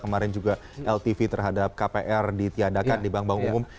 kemarin juga ltv terhadap kpr ditiadakan di bank bank umum